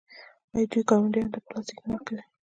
آیا دوی ګاونډیانو ته پلاستیک نه ورکوي؟